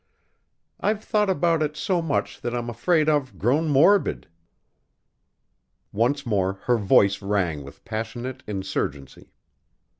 I've thought about it so much that I'm afraid I've grown morbid." Once more her voice rang with passionate insurgency.